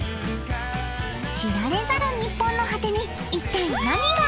知られざる日本の果てに一体何がある？